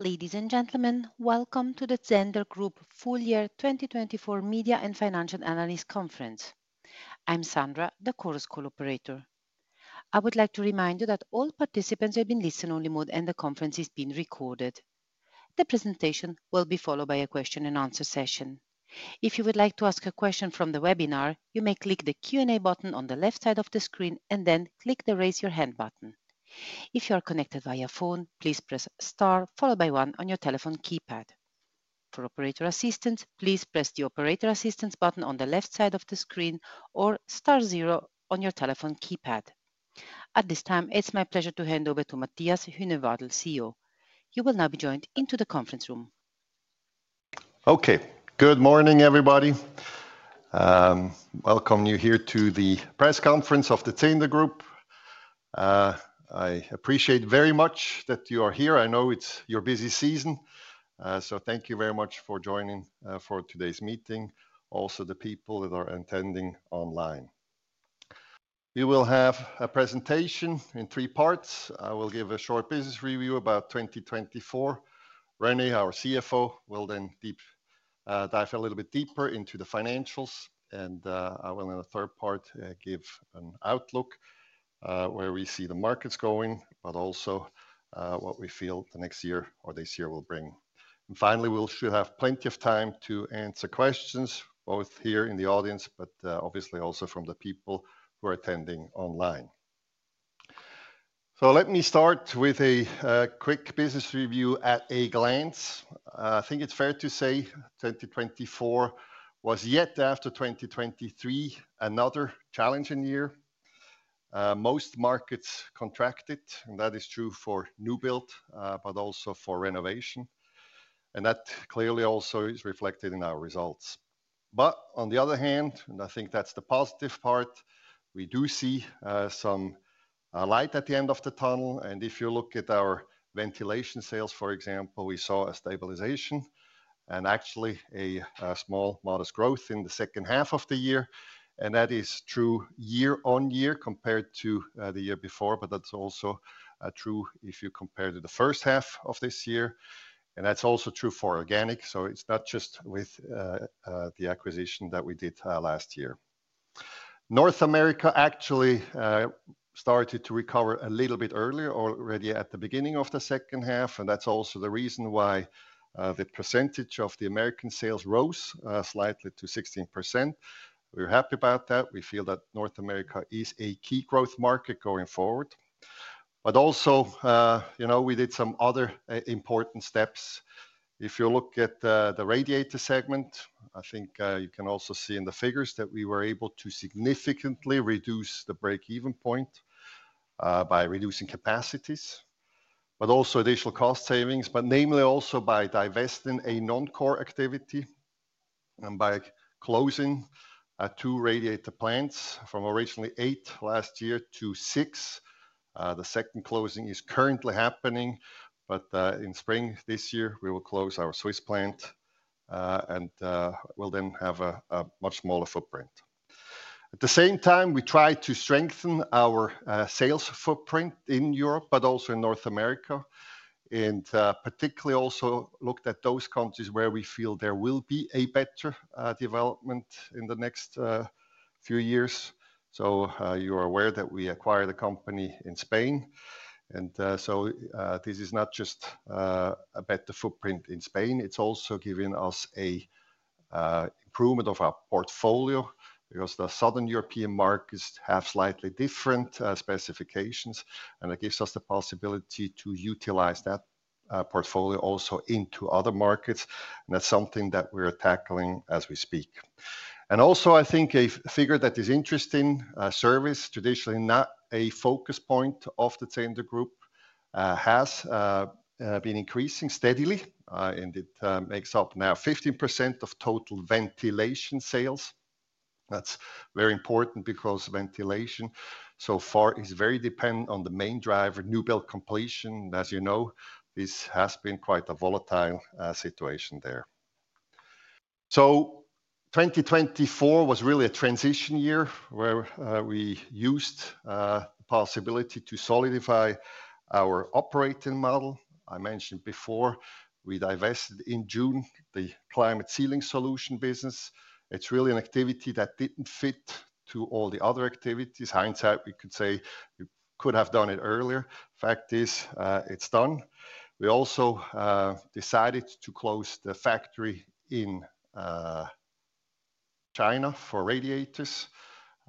Ladies and gentlemen, welcome to the Zehnder Group Full Year 2024 Media and Financial Analysts Conference. I'm Sandra, the Chorus Call operator. I would like to remind you that all participants have been placed in listen-only mode, and the conference is being recorded. The presentation will be followed by a question-and-answer session. If you would like to ask a question from the webinar, you may click the Q&A button on the left side of the screen and then click the raise your hand button. If you are connected via phone, please press Star followed by One on your telephone keypad. For operator assistance, please press the Operator Assistance button on the left side of the screen or star zero on your telephone keypad. At this time, it's my pleasure to hand over to Matthias Huenerwadel, CEO. You will now be joined into the conference room. Okay, good morning, everybody. Welcome you here to the press conference of the Zehnder Group. I appreciate very much that you are here. I know it's your busy season, so thank you very much for joining for today's meeting. Also, the people that are attending online, we will have a presentation in three parts. I will give a short business review about 2024. René, our CFO, will then dive a little bit deeper into the financials, and I will, in a third part, give an outlook where we see the markets going, but also what we feel the next year or this year will bring, and finally, we should have plenty of time to answer questions, both here in the audience, but obviously also from the people who are attending online, so let me start with a quick business review at a glance. I think it's fair to say 2024 was yet after 2023 another challenging year. Most markets contracted, and that is true for new build, but also for renovation, and that clearly also is reflected in our results, but on the other hand, and I think that's the positive part, we do see some light at the end of the tunnel, and if you look at our ventilation sales, for example, we saw a stabilization and actually a small modest growth in the second half of the year, and that is true year-on-year compared to the year before, but that's also true if you compare to the first half of this year, and that's also true for organic, so it's not just with the acquisition that we did last year. North America actually started to recover a little bit earlier already at the beginning of the second half. and that's also the reason why the percentage of the American sales rose slightly to 16%. We're happy about that. We feel that North America is a key growth market going forward. But also, you know, we did some other important steps. If you look at the radiator segment, I think you can also see in the figures that we were able to significantly reduce the break-even point by reducing capacities, but also additional cost savings, but namely also by divesting a non-core activity and by closing two radiator plants from originally eight last year to six. The second closing is currently happening, but in spring this year, we will close our Swiss plant and will then have a much smaller footprint. At the same time, we tried to strengthen our sales footprint in Europe, but also in North America, and particularly also looked at those countries where we feel there will be a better development in the next few years. So you are aware that we acquired a company in Spain. And so this is not just a better footprint in Spain, it's also giving us an improvement of our portfolio because the southern European markets have slightly different specifications. And it gives us the possibility to utilize that portfolio also into other markets. And that's something that we're tackling as we speak. And also, I think a figure that is interesting, service, traditionally not a focus point of the Zehnder Group, has been increasing steadily. And it makes up now 15% of total ventilation sales. That's very important because ventilation so far is very dependent on the main driver, new build completion. As you know, this has been quite a volatile situation there. So 2024 was really a transition year where we used the possibility to solidify our operating model. I mentioned before we divested in June, the climate ceiling solutions business. It's really an activity that didn't fit to all the other activities. Hindsight, we could say we could have done it earlier. Fact is it's done. We also decided to close the factory in China for radiators,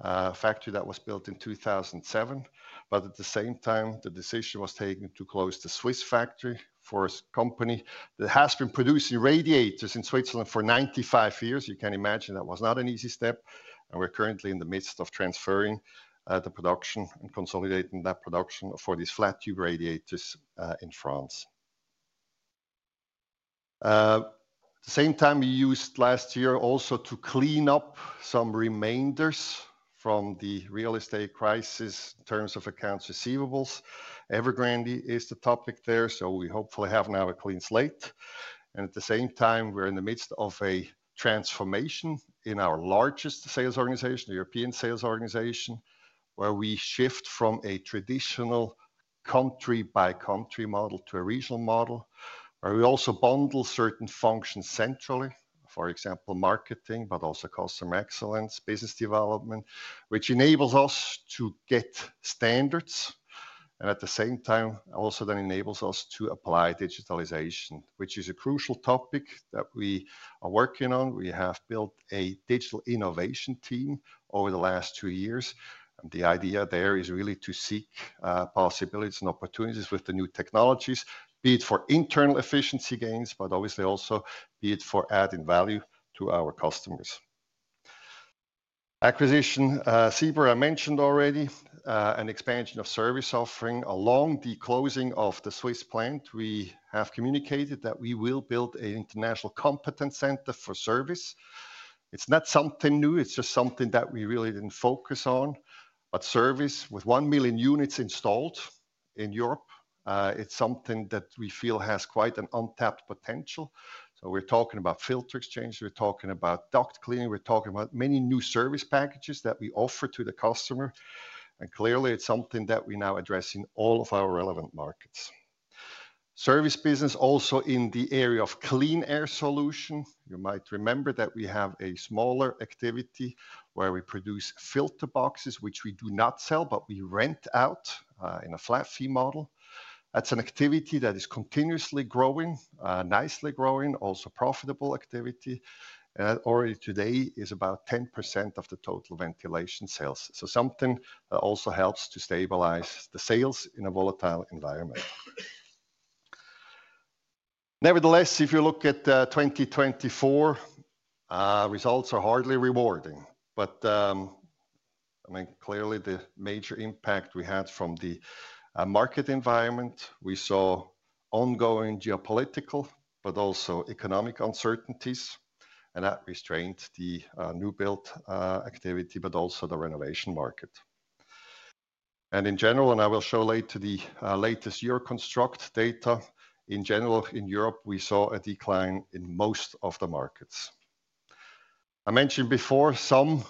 a factory that was built in 2007. But at the same time, the decision was taken to close the Swiss factory for a company that has been producing radiators in Switzerland for 95 years. You can imagine that was not an easy step. And we're currently in the midst of transferring the production and consolidating that production for these flat tube radiators in France. At the same time, we used last year also to clean up some remainders from the real estate crisis in terms of accounts receivable. Evergrande is the topic there, so we hopefully have now a clean slate. And at the same time, we're in the midst of a transformation in our largest sales organization, the European sales organization, where we shift from a traditional country-by-country model to a regional model where we also bundle certain functions centrally, for example, marketing, but also customer excellence, business development, which enables us to get standards. And at the same time, also then enables us to apply digitalization, which is a crucial topic that we are working on. We have built a digital innovation team over the last two years. The idea there is really to seek possibilities and opportunities with the new technologies, be it for internal efficiency gains, but obviously also be it for adding value to our customers. Acquisition, Siber, I mentioned already an expansion of service offering along the closing of the Swiss plant. We have communicated that we will build an international competence center for service. It's not something new. It's just something that we really didn't focus on, but service with 1 million units installed in Europe, it's something that we feel has quite an untapped potential. So we're talking about filter exchange, we're talking about duct cleaning, we're talking about many new service packages that we offer to the customer. And clearly, it's something that we now address in all of our relevant markets. Service business also in the area of clean air solution. You might remember that we have a smaller activity where we produce filter boxes, which we do not sell, but we rent out in a flat fee model. That's an activity that is continuously growing, nicely growing, also profitable activity, and already today is about 10% of the total ventilation sales, so something that also helps to stabilize the sales in a volatile environment. Nevertheless, if you look at 2024, results are hardly rewarding, but I mean, clearly the major impact we had from the market environment, we saw ongoing geopolitical, but also economic uncertainties, and that restrained the new build activity, but also the renovation market, and in general, and I will show later the latest Euroconstruct data, in general in Europe, we saw a decline in most of the markets. I mentioned before some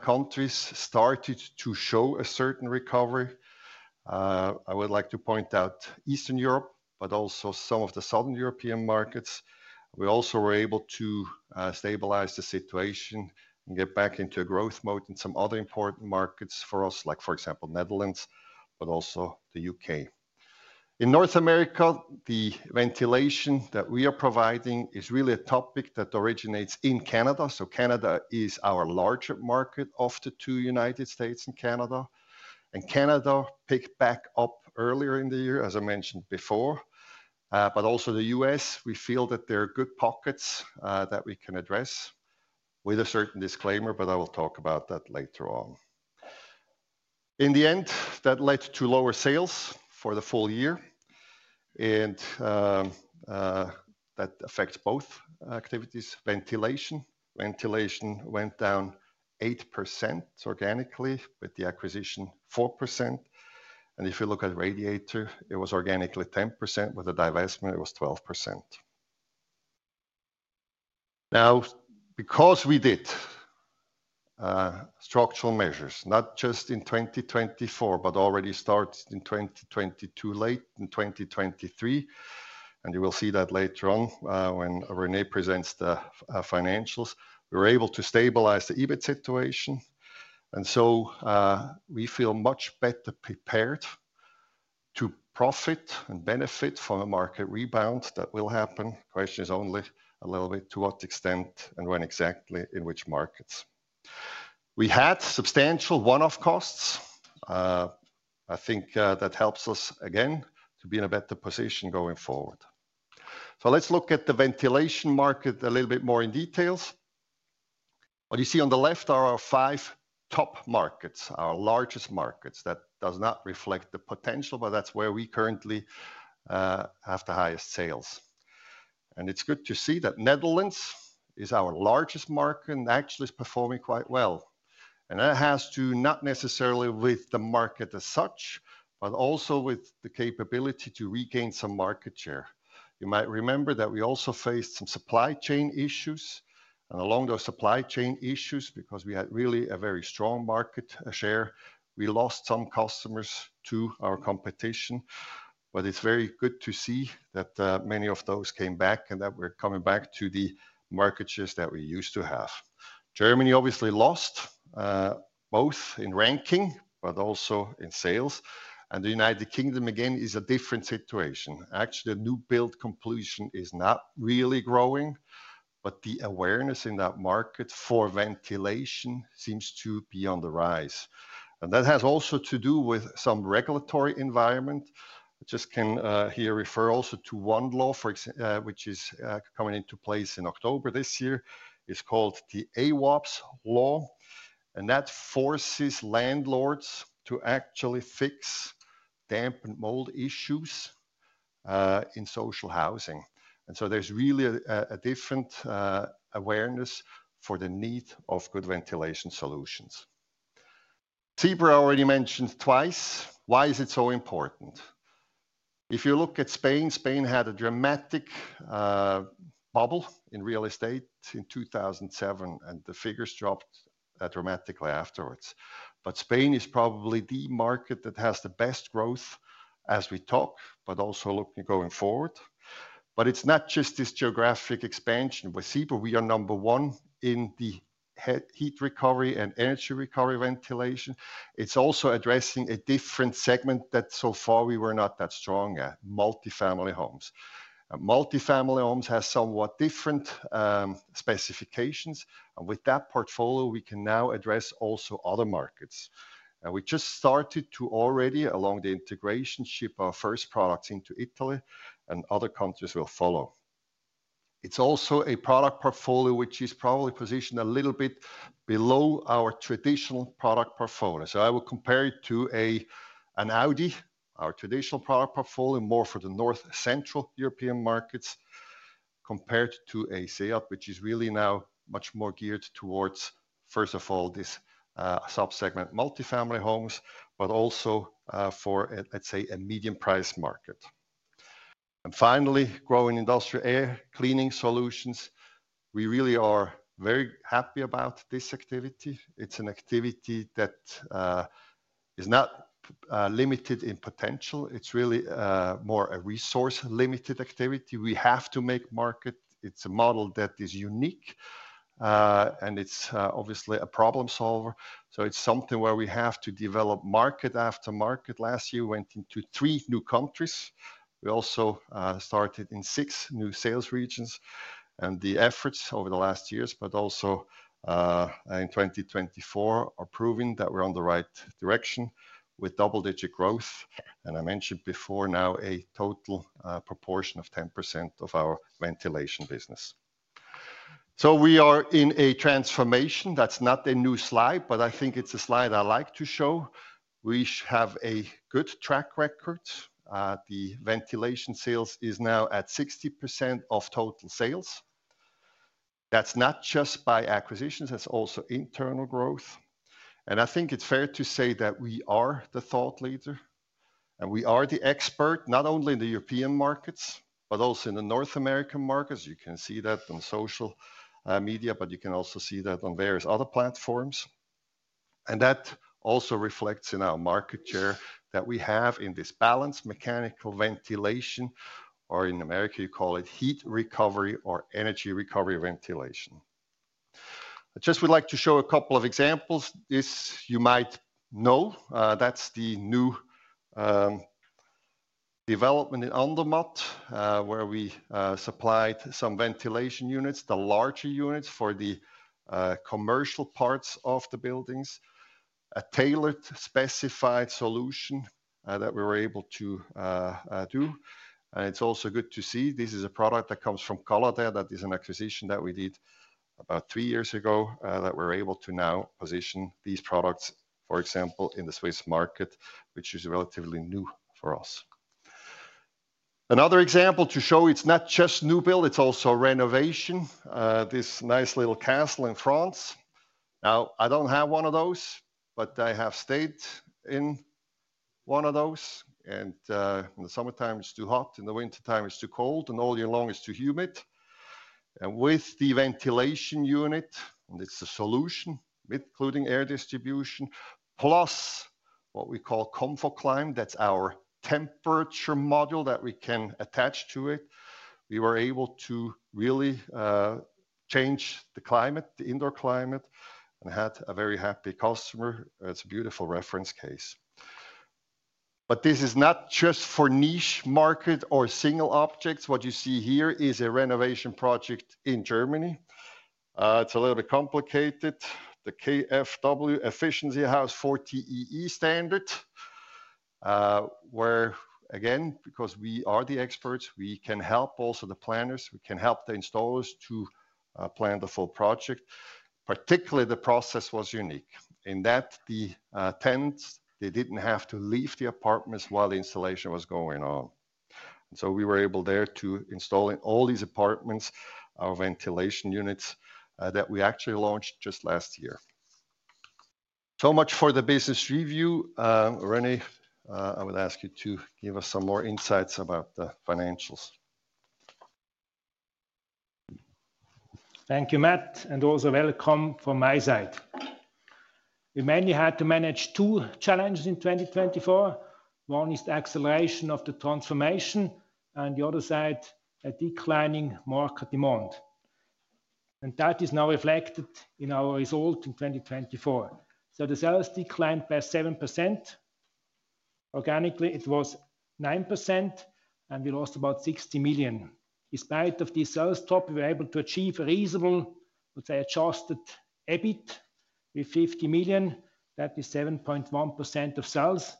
countries started to show a certain recovery. I would like to point out Eastern Europe, but also some of the Southern European markets. We also were able to stabilize the situation and get back into a growth mode in some other important markets for us, like for example, the Netherlands, but also the UK In North America, the ventilation that we are providing is really a topic that originates in Canada. Canada is our larger market of the two United States and Canada. Canada picked back up earlier in the year, as I mentioned before. But also the US, we feel that there are good pockets that we can address with a certain disclaimer, but I will talk about that later on. In the end, that led to lower sales for the full year. That affects both activities. Ventilation went down 8% organically, with the acquisition 4%. And if you look at radiator, it was organically 10%, with a divestment, it was 12%. Now, because we did structural measures, not just in 2024, but already started in 2022, late in 2023, and you will see that later on when René presents the financials, we were able to stabilize the EBIT situation. And so we feel much better prepared to profit and benefit from a market rebound that will happen. The question is only a little bit to what extent and when exactly in which markets. We had substantial one-off costs. I think that helps us again to be in a better position going forward. So let's look at the ventilation market a little bit more in detail. What you see on the left are our five top markets, our largest markets. That does not reflect the potential, but that's where we currently have the highest sales. And it's good to see that Netherlands is our largest market and actually is performing quite well. And that has to do not necessarily with the market as such, but also with the capability to regain some market share. You might remember that we also faced some supply chain issues. And along those supply chain issues, because we had really a very strong market share, we lost some customers to our competition. But it's very good to see that many of those came back and that we're coming back to the market shares that we used to have. Germany obviously lost both in ranking, but also in sales. And the United Kingdom again is a different situation. Actually, a new build completion is not really growing, but the awareness in that market for ventilation seems to be on the rise. And that has also to do with some regulatory environment. I just can here refer also to one law, which is coming into place in October this year. It's called Awaab's Law. That forces landlords to actually fix damp and mold issues in social housing. So there's really a different awareness for the need of good ventilation solutions. Siber, already mentioned twice, why is it so important? If you look at Spain, Spain had a dramatic bubble in real estate in 2007, and the figures dropped dramatically afterwards. But Spain is probably the market that has the best growth as we talk, but also looking going forward. But it's not just this geographic expansion. With Siber, we are number one in the heat recovery and energy recovery ventilation. It's also addressing a different segment that so far we were not that strong at, multifamily homes. Multifamily homes have somewhat different specifications. And with that portfolio, we can now address also other markets. We just started to already along the integration ship our first products into Italy, and other countries will follow. It's also a product portfolio which is probably positioned a little bit below our traditional product portfolio. I will compare it to an Audi, our traditional product portfolio, more for the north central European markets compared to a Seat, which is really now much more geared towards, first of all, this subsegment multifamily homes, but also for, let's say, a medium price market. Finally, growing clean air solutions. We really are very happy about this activity. It's an activity that is not limited in potential. It's really more a resource-limited activity. We have to make market. It's a model that is unique, and it's obviously a problem solver. So it's something where we have to develop market after market. Last year, we went into three new countries. We also started in six new sales regions. And the efforts over the last years, but also in 2024, are proving that we're on the right direction with double-digit growth. And I mentioned before now a total proportion of 10% of our ventilation business. So we are in a transformation. That's not a new slide, but I think it's a slide I like to show. We have a good track record. The ventilation sales is now at 60% of total sales. That's not just by acquisitions. That's also internal growth. And I think it's fair to say that we are the thought leader. And we are the expert not only in the European markets, but also in the North American markets. You can see that on social media, but you can also see that on various other platforms, and that also reflects in our market share that we have in this balanced mechanical ventilation, or in America, you call it heat recovery or energy recovery ventilation. I just would like to show a couple of examples. This you might know. That's the new development in Andermatt, where we supplied some ventilation units, the larger units for the commercial parts of the buildings, a tailored specified solution that we were able to do, and it's also good to see this is a product that comes from Caladair. That is an acquisition that we did about three years ago that we're able to now position these products, for example, in the Swiss market, which is relatively new for us. Another example to show it's not just new build, it's also renovation. This nice little castle in France. Now, I don't have one of those, but I have stayed in one of those, and in the summertime, it's too hot. In the wintertime, it's too cold, and all year long, it's too humid, and with the ventilation unit, and it's a solution with including air distribution, plus what we call ComfoClime, that's our temperature module that we can attach to it, we were able to really change the climate, the indoor climate, and had a very happy customer. It's a beautiful reference case, but this is not just for niche market or single objects. What you see here is a renovation project in Germany. It's a little bit complicated. The KfW Efficiency House 40 EE standard, where again, because we are the experts, we can help also the planners. We can help the installers to plan the full project. Particularly, the process was unique in that the tenants didn't have to leave the apartments while the installation was going on, and so we were able there to install in all these apartments our ventilation units that we actually launched just last year, so much for the business review. René, I would ask you to give us some more insights about the financials. Thank you, Matt, and also welcome from my side. We mainly had to manage two challenges in 2024. One is the acceleration of the transformation and the other side, a declining market demand, and that is now reflected in our result in 2024, so the sales declined by 7%. Organically, it was 9%, and we lost about 60 million. Despite these sales drop, we were able to achieve a reasonable, I would say, adjusted EBIT with 50 million. That is 7.1% of sales.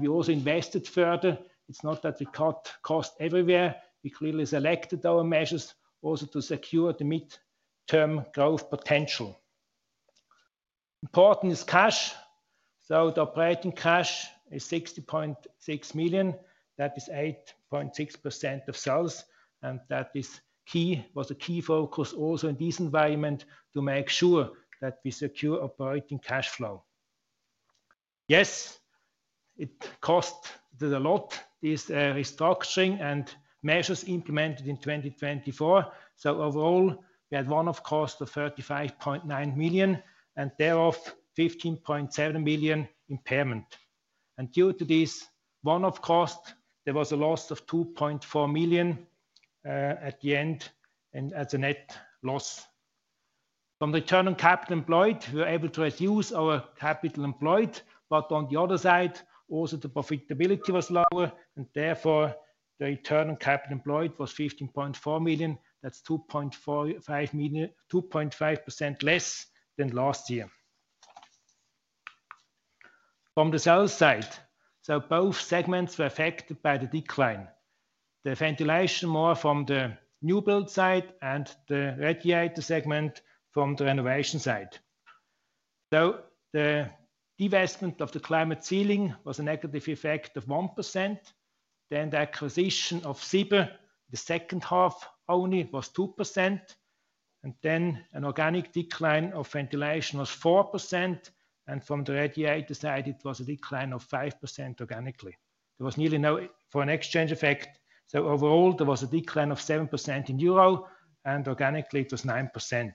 We also invested further. It's not that we cut cost everywhere. We clearly selected our measures also to secure the mid-term growth potential. Important is cash. So the operating cash is 60.6 million. That is 8.6% of sales. And that was a key focus also in this environment to make sure that we secure operating cash flow. Yes, it cost a lot, this restructuring and measures implemented in 2024. So overall, we had one-off cost of 35.9 million and thereof 15.7 million impairment. And due to this one-off cost, there was a loss of 2.4 million at the end and as a net loss. From the return on capital employed, we were able to reduce our capital employed. But on the other side, also the profitability was lower. And therefore, the return on capital employed was 15.4 million. That's 2.5% less than last year. From the sales side, both segments were affected by the decline. The ventilation more from the new build side and the radiator segment from the renovation side. The divestment of the climate ceiling was a negative effect of 1%. Then the acquisition of Siber, the second half only was 2%. And then an organic decline of ventilation was 4%. And from the radiator side, it was a decline of 5% organically. There was nearly no foreign exchange effect. So overall, there was a decline of 7% in EUR. And organically, it was 9%.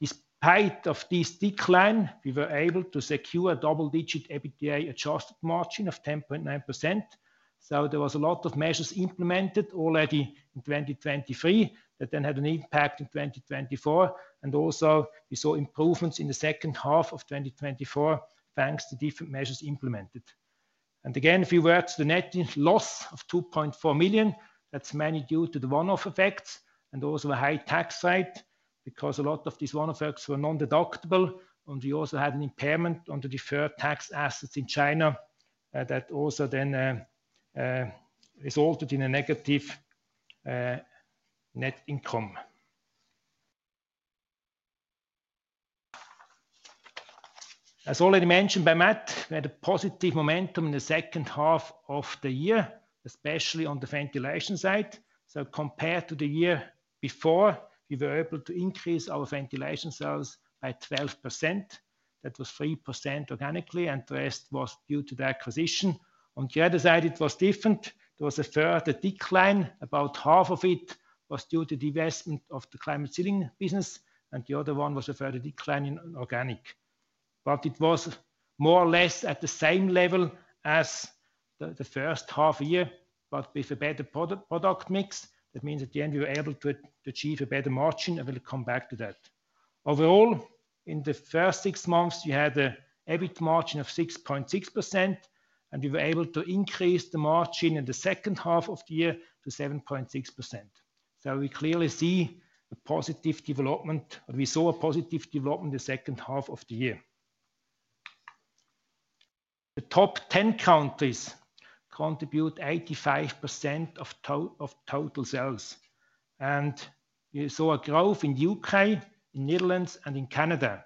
In spite of this decline, we were able to secure a double-digit EBITDA adjusted margin of 10.9%. There was a lot of measures implemented already in 2023 that then had an impact in 2024. And also we saw improvements in the second half of 2024 thanks to different measures implemented. And again, a few words, the net loss of 2.4 million, that's mainly due to the one-off effects and also a high tax rate because a lot of these one-off effects were non-deductible. And we also had an impairment on the deferred tax assets in China that also then resulted in a negative net income. As already mentioned by Matt, we had a positive momentum in the second half of the year, especially on the ventilation side. So compared to the year before, we were able to increase our ventilation sales by 12%. That was 3% organically, and the rest was due to the acquisition. On the other side, it was different. There was a further decline. About half of it was due to the divestment of the climate ceiling business. And the other one was a further decline in organic. But it was more or less at the same level as the first half year, but with a better product mix. That means at the end, we were able to achieve a better margin. I will come back to that. Overall, in the first six months, we had an EBIT margin of 6.6%, and we were able to increase the margin in the second half of the year to 7.6%. So we clearly see a positive development, or we saw a positive development in the second half of the year. The top 10 countries contribute 85% of total sales. And we saw a growth in the UK, in Netherlands, and in Canada.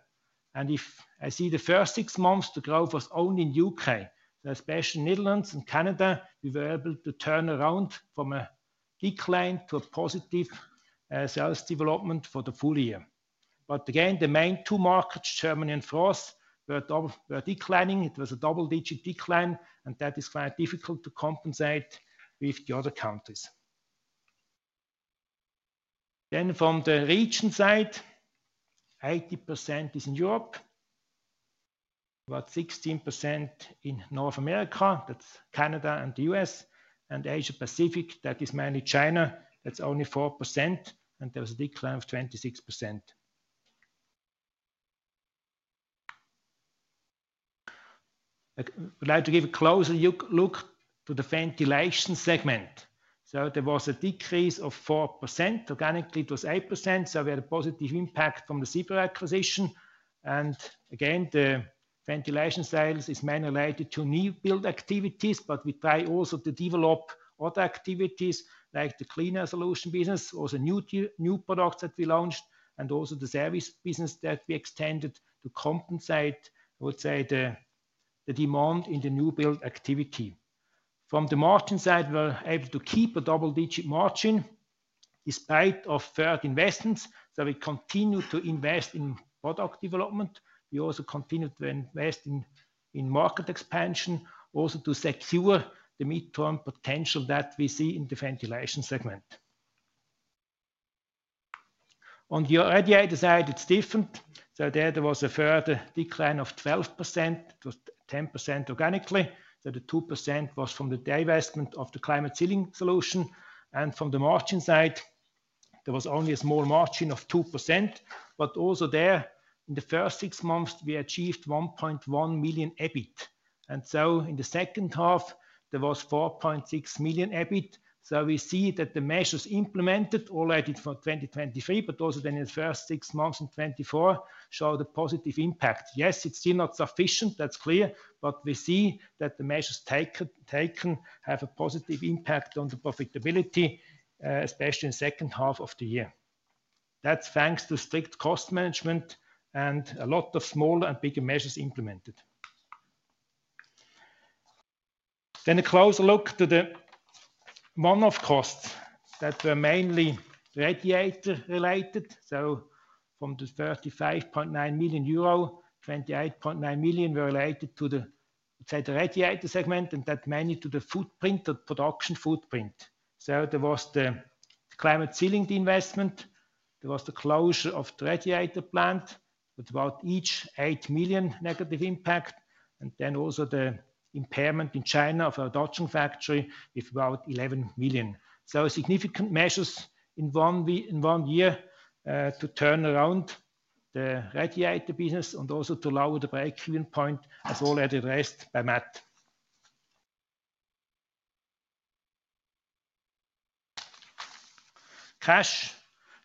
And if I see the first six months, the growth was only in the UK So especially Netherlands and Canada, we were able to turn around from a decline to a positive sales development for the full year. But again, the main two markets, Germany and France, were declining. It was a double-digit decline, and that is quite difficult to compensate with the other countries. Then from the region side, 80% is in Europe, about 16% in North America. That's Canada and the US and Asia-Pacific. That is mainly China. That's only 4%, and there was a decline of 26%. I'd like to give a closer look to the ventilation segment. So there was a decrease of 4%. Organically, it was 8%. So we had a positive impact from the Siber acquisition. And again, the ventilation sales is mainly related to new build activities, but we try also to develop other activities like the clean air solutions business, also new products that we launched, and also the service business that we extended to compensate, I would say, the demand in the new build activity. From the margin side, we were able to keep a double-digit margin despite of further investments. So we continue to invest in product development. We also continue to invest in market expansion, also to secure the mid-term potential that we see in the ventilation segment. On the radiator side, it's different. So there was a further decline of 12%. It was 10% organically. So the 2% was from the divestment of the climate ceiling solution. And from the margin side, there was only a small margin of 2%. But also there, in the first six months, we achieved 1.1 million EBIT. And so in the second half, there was 4.6 million EBIT. So we see that the measures implemented already for 2023, but also then in the first six months in 2024, showed a positive impact. Yes, it's still not sufficient. That's clear. We see that the measures taken have a positive impact on the profitability, especially in the second half of the year. That's thanks to strict cost management and a lot of smaller and bigger measures implemented. A closer look to the one-off costs that were mainly radiator related. From the 35.9 million euro, 28.9 million were related to the radiator segment, and that mainly to the footprint, the production footprint. There was the climate ceiling investment. There was the closure of the radiator plant with about each eight million negative impact. Then also the impairment in China of our Dacheng factory with about 11 million. Significant measures in one year to turn around the radiator business and also to lower the break-even point as already addressed by Matt. Cash.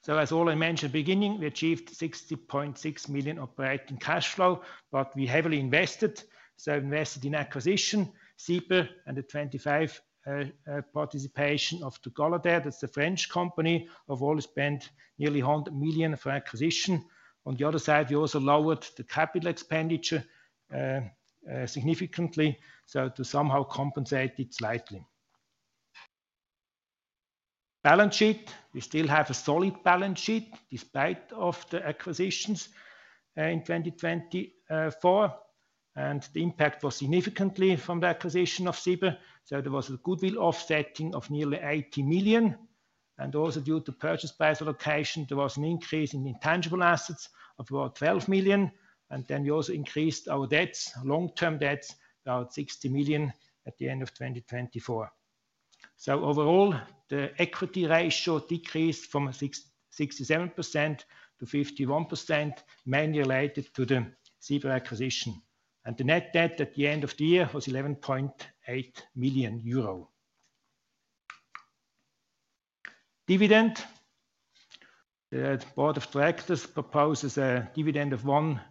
As already mentioned in the beginning, we achieved 60.6 million operating cash flow, but we heavily invested. We invested in the acquisition of Siber and the 25% participation of Caladair. That's the French company. Overall, we spent nearly 100 million for acquisition. On the other side, we also lowered the CapEx significantly to somehow compensate it slightly. Balance sheet. We still have a solid balance sheet despite the acquisitions in 2024. The impact was significantly from the acquisition of Siber. There was a goodwill of nearly 80 million. Also due to purchase price allocation, there was an increase in intangible assets of about 12 million. Then we also increased our debts, long-term debts, about 60 million at the end of 2024. Overall, the equity ratio decreased from 67% to 51%, mainly related to the Siber acquisition. The net debt at the end of the year was 11.8 million euro. Dividend. The Board of Directors proposes a dividend of 1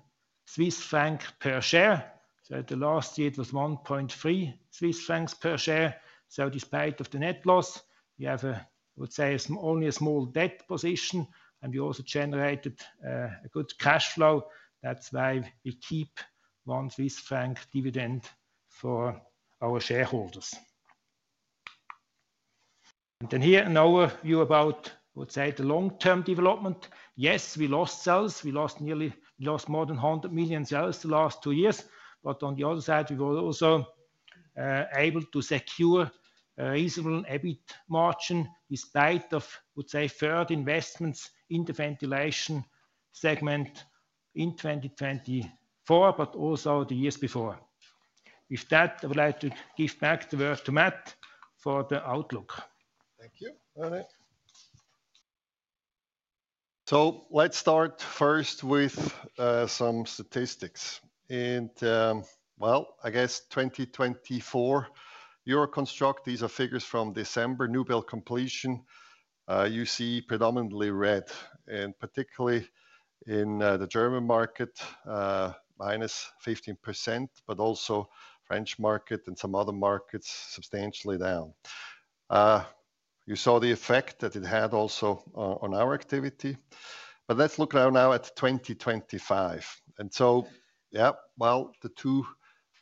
Swiss franc per share. So the last year it was 1.3 Swiss francs per share. So despite of the net loss, we have, I would say, only a small debt position. And we also generated a good cash flow. That's why we keep 1 Swiss franc dividend for our shareholders. And then here an overview about, I would say, the long-term development. Yes, we lost sales. We lost nearly, we lost more than 100 million sales the last two years. But on the other side, we were also able to secure a reasonable EBIT margin despite of, I would say, further investments in the ventilation segment in 2024, but also the years before. With that, I would like to give back the word to Matt for the outlook. Thank you. René. So, let's start first with some statistics, and, well, I guess 2024, Euroconstruct—these are figures from December—new build completion. You see predominantly red, and particularly in the German market, -15%, but also French market and some other markets substantially down. You saw the effect that it had also on our activity, but let's look now at 2025, and so, yeah, well, the two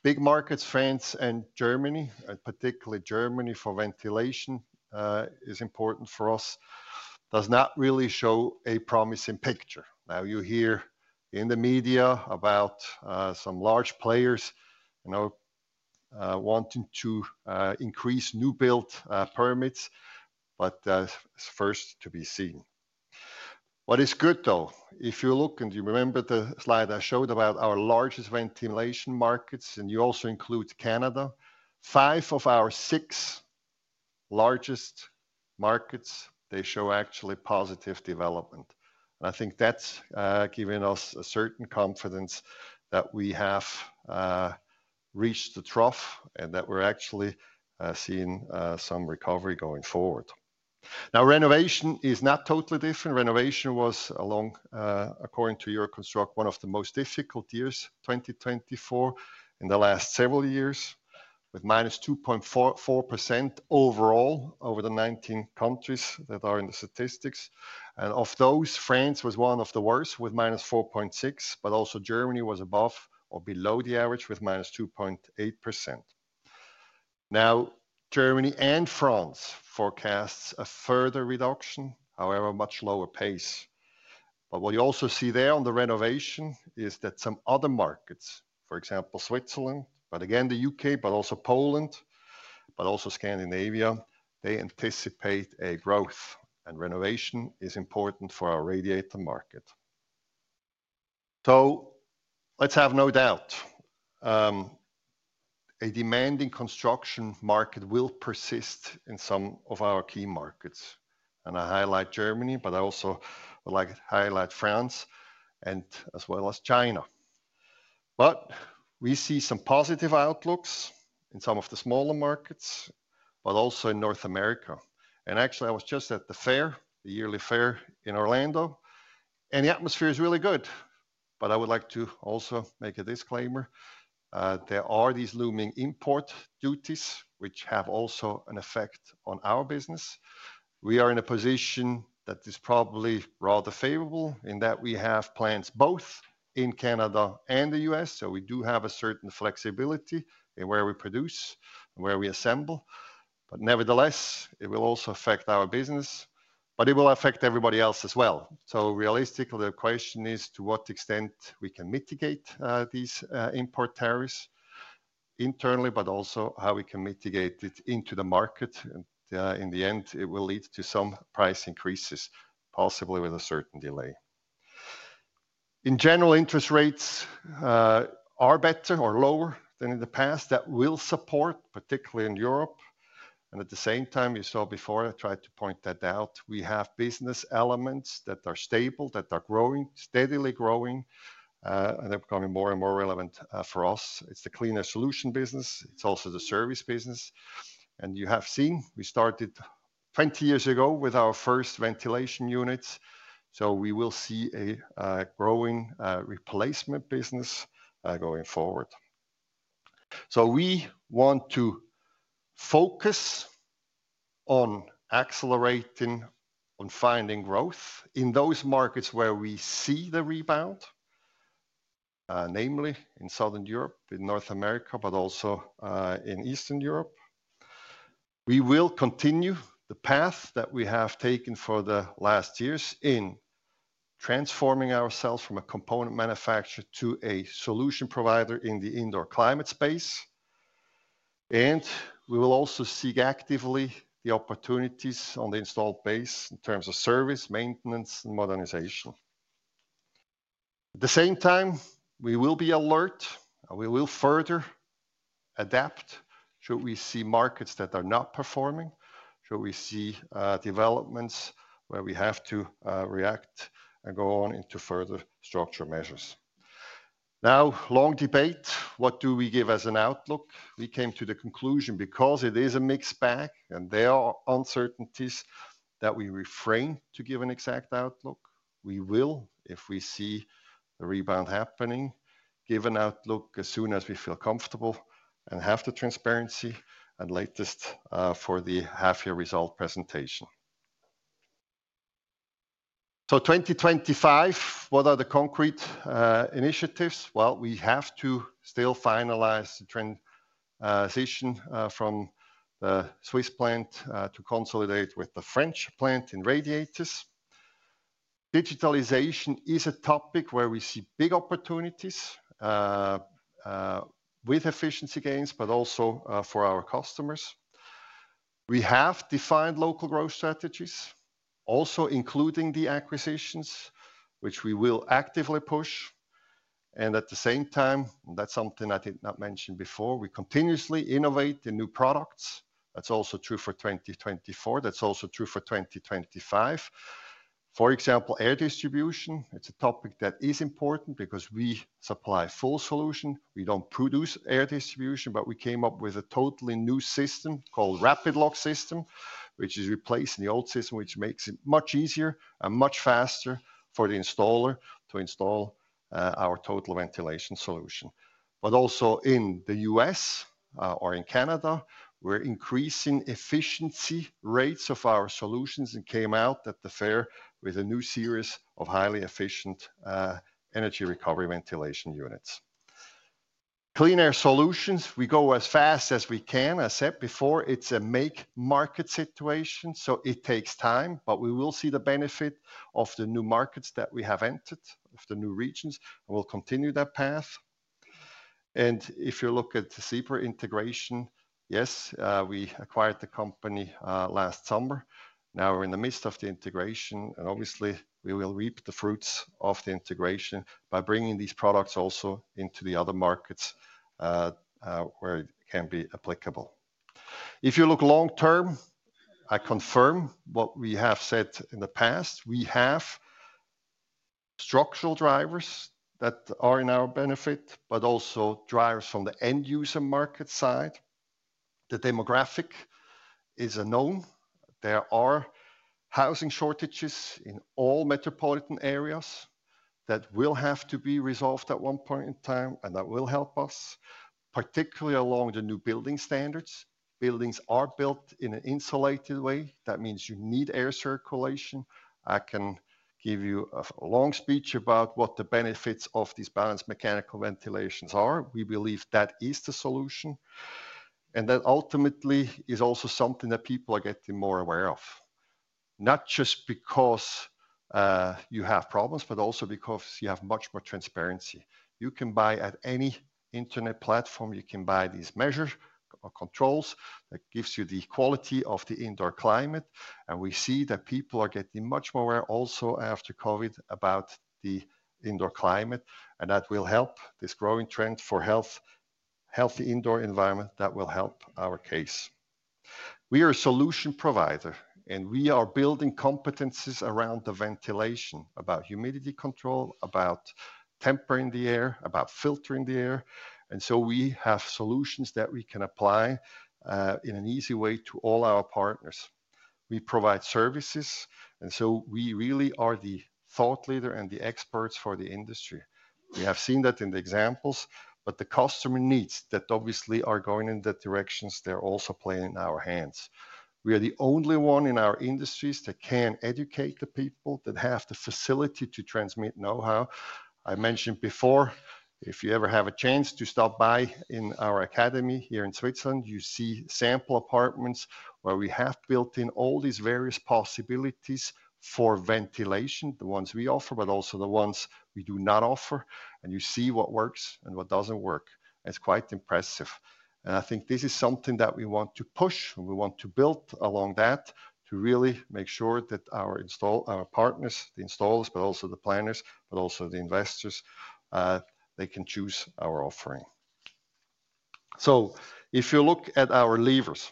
big markets, France and Germany, and particularly Germany for ventilation is important for us, does not really show a promising picture. Now, you hear in the media about some large players wanting to increase new build permits, but it's first to be seen. What is good, though, if you look and you remember the slide I showed about our largest ventilation markets, and you also include Canada, five of our six largest markets, they show actually positive development, and I think that's giving us a certain confidence that we have reached the trough and that we're actually seeing some recovery going forward. Now, renovation is not totally different. Renovation was, according to Euroconstruct, one of the most difficult years, 2024, in the last several years, with minus 2.4% overall over the 19 countries that are in the statistics, and of those, France was one of the worst with minus 4.6%, but also Germany was above or below the average with minus 2.8%. Now, Germany and France forecasts a further reduction, however, much lower pace. But what you also see there on the renovation is that some other markets, for example, Switzerland, but again, the UK, but also Poland, but also Scandinavia, they anticipate a growth. And renovation is important for our radiator market. So let's have no doubt. A demanding construction market will persist in some of our key markets. And I highlight Germany, but I also would like to highlight France and as well as China. But we see some positive outlooks in some of the smaller markets, but also in North America. And actually, I was just at the fair, the yearly fair in Orlando, and the atmosphere is really good. But I would like to also make a disclaimer. There are these looming import duties, which have also an effect on our business. We are in a position that is probably rather favorable in that we have plants both in Canada and the US, so we do have a certain flexibility in where we produce and where we assemble, but nevertheless, it will also affect our business, but it will affect everybody else as well, so realistically, the question is to what extent we can mitigate these import tariffs internally, but also how we can mitigate it into the market, and in the end, it will lead to some price increases, possibly with a certain delay. In general, interest rates are better or lower than in the past. That will support, particularly in Europe, and at the same time, you saw before, I tried to point that out. We have business elements that are stable, that are growing, steadily growing, and they're becoming more and more relevant for us. It's the clean air solutions business. It's also the service business. And you have seen we started 20 years ago with our first ventilation units. So we will see a growing replacement business going forward. So we want to focus on accelerating and finding growth in those markets where we see the rebound, namely in Southern Europe, in North America, but also in Eastern Europe. We will continue the path that we have taken for the last years in transforming ourselves from a component manufacturer to a solution provider in the indoor climate space. And we will also seek actively the opportunities on the installed base in terms of service, maintenance, and modernization. At the same time, we will be alert and we will further adapt should we see markets that are not performing, should we see developments where we have to react and go on into further structural measures. Now, long debate, what do we give as an outlook? We came to the conclusion because it is a mixed bag and there are uncertainties that we refrain to give an exact outlook. We will, if we see the rebound happening, give an outlook as soon as we feel comfortable and have the transparency and latest for the half-year result presentation. So 2025, what are the concrete initiatives? Well, we have to still finalize the transition from the Swiss plant to consolidate with the French plant in radiators. Digitalization is a topic where we see big opportunities with efficiency gains, but also for our customers. We have defined local growth strategies, also including the acquisitions, which we will actively push. And at the same time, that's something I did not mention before. We continuously innovate in new products. That's also true for 2024. That's also true for 2025. For example, air distribution, it's a topic that is important because we supply full solution. We don't produce air distribution, but we came up with a totally new system called RapidLock system, which is replacing the old system, which makes it much easier and much faster for the installer to install our total ventilation solution. But also in the US or in Canada, we're increasing efficiency rates of our solutions and came out at the fair with a new series of highly efficient energy recovery ventilation units. Clean air solutions, we go as fast as we can. I said before, it's a make-market situation, so it takes time, but we will see the benefit of the new markets that we have entered, of the new regions, and we'll continue that path. And if you look at the Siber integration, yes, we acquired the company last summer. Now we're in the midst of the integration, and obviously, we will reap the fruits of the integration by bringing these products also into the other markets where it can be applicable. If you look long-term, I confirm what we have said in the past. We have structural drivers that are in our benefit, but also drivers from the end-user market side. The demographic is a known. There are housing shortages in all metropolitan areas that will have to be resolved at one point in time, and that will help us, particularly along the new building standards. Buildings are built in an insulated way. That means you need air circulation. I can give you a long speech about what the benefits of these balanced mechanical ventilations are. We believe that is the solution. And that ultimately is also something that people are getting more aware of, not just because you have problems, but also because you have much more transparency. You can buy at any internet platform. You can buy these measures or controls that give you the quality of the indoor climate, and we see that people are getting much more aware also after COVID about the indoor climate, and that will help this growing trend for healthy indoor environment that will help our case. We are a solution provider, and we are building competencies around the ventilation, about humidity control, about tempering the air, about filtering the air, and so we have solutions that we can apply in an easy way to all our partners. We provide services, and so we really are the thought leader and the experts for the industry. We have seen that in the examples, but the customer needs that obviously are going in the directions they're also playing in our hands. We are the only one in our industries that can educate the people that have the facility to transmit know-how. I mentioned before, if you ever have a chance to stop by in our academy here in Switzerland, you see sample apartments where we have built in all these various possibilities for ventilation, the ones we offer, but also the ones we do not offer. And you see what works and what doesn't work. It's quite impressive. And I think this is something that we want to push and we want to build along that to really make sure that our partners, the installers, but also the planners, but also the investors, they can choose our offering. So if you look at our levers,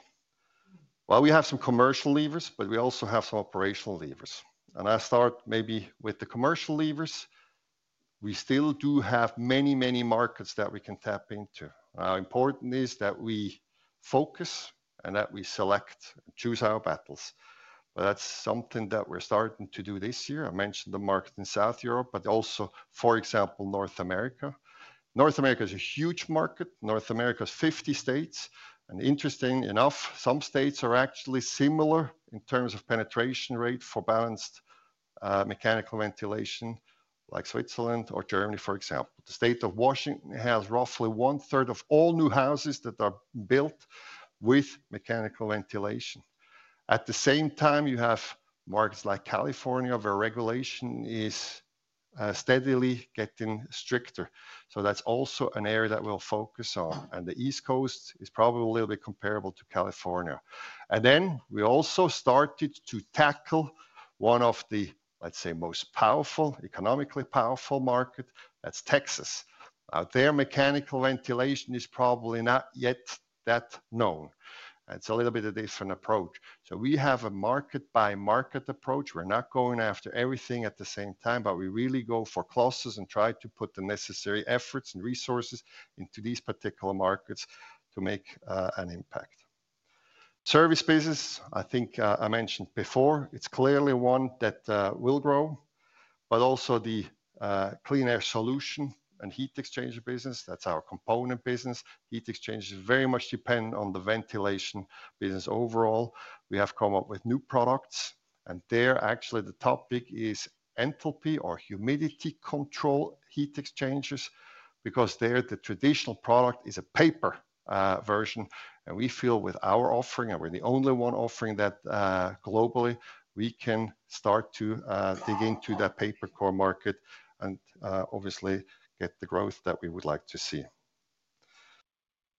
well, we have some commercial levers, but we also have some operational levers. And I start maybe with the commercial levers. We still do have many, many markets that we can tap into. Now, important is that we focus and that we select and choose our battles. But that's something that we're starting to do this year. I mentioned the market in Southern Europe, but also, for example, North America. North America is a huge market. North America has 50 states. And interesting enough, some states are actually similar in terms of penetration rate for balanced mechanical ventilation, like Switzerland or Germany, for example. The state of Washington has roughly one-third of all new houses that are built with mechanical ventilation. At the same time, you have markets like California where regulation is steadily getting stricter. So that's also an area that we'll focus on. And the East Coast is probably a little bit comparable to California. And then we also started to tackle one of the, let's say, most powerful, economically powerful markets. That's Texas. Now, their mechanical ventilation is probably not yet that known. It's a little bit of a different approach. So we have a market-by-market approach. We're not going after everything at the same time, but we really go for clusters and try to put the necessary efforts and resources into these particular markets to make an impact. Service business, I think I mentioned before, it's clearly one that will grow, but also the clean air solution and heat exchange business. That's our component business. Heat exchange is very much dependent on the ventilation business overall. We have come up with new products, and they're actually the topic is enthalpy or humidity control heat exchangers because the traditional product is a paper version. We feel with our offering, and we're the only one offering that globally, we can start to dig into that paper core market and obviously get the growth that we would like to see.